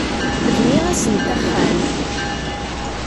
Bniɣ-asent axxam.